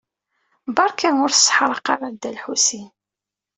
Beṛka ur sseḥraq ara Dda Lḥusin.